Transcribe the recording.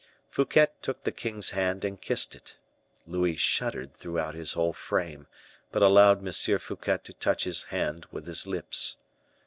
Fouquet took the king's hand and kissed it; Louis shuddered throughout his whole frame, but allowed M. Fouquet to touch his hand with his lips.